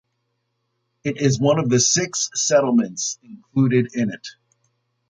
It is one of the six settlements included in it.